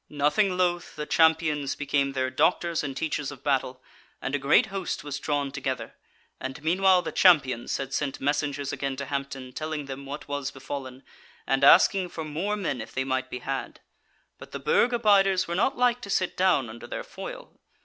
Nothing lothe, the Champions became their doctors and teachers of battle, and a great host was drawn together; and meanwhile the Champions had sent messengers again to Hampton telling them what was befallen, and asking for more men if they might be had. But the Burg abiders were not like to sit down under their foil.